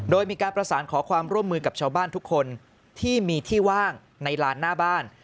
โดยมีการประสานขอความร่วมมือกับชาวบ้านทุกคนที่มีที่ว่างในลานหน้าบ้าน